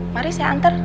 maris ya anter